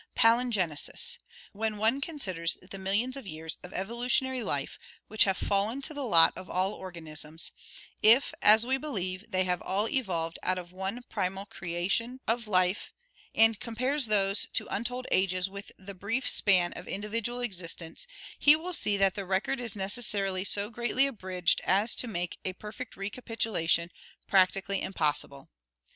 Palingenesis. — When one considers the millions of years of evolutionary life which have fallen to the lot of all organisms, if, as we believe, they have all evolved out of one primal creation of 213 214 ORGANIC EVOLUTION life, and compares those untold ages with the brief span of in dividual existence, he will see that the record is necessarily so greatly abridged as to make a perfect recapitulation practically impossible.